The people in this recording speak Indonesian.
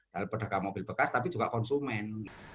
lalu pedagang mobil bekas tapi juga konsumen